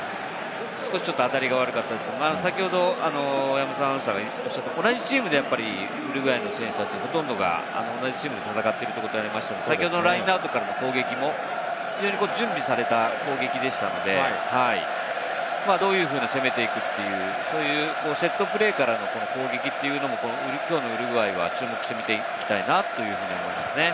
少し当たりが悪かったですけれども、先ほど山本さんが言ったように、同じチームでウルグアイの選手たちほとんどが戦っているということもあって、ラインアウトからの攻撃も準備された攻撃でしたので、どういうふうに攻めていくっていうのを、セットプレーからの攻撃もきょうのウルグアイは注目して見ていきたいなと思いますね。